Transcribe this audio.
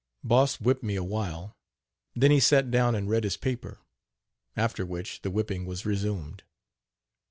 Boss whipped me a while, then he sat down and read his paper, after which the whipping was resumed.